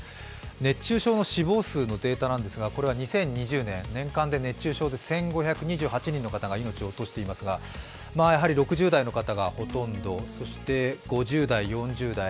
熱中症の死亡数のデータなんですが２０２０年、年間で熱中症で１５２８人の方が命を落としていますが、やはり６０代の方がほとんどそして５０代、４０代。